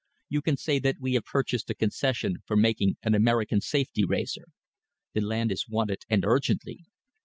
You can say that we have purchased the concession for making an American safety razor. The land is wanted, and urgently.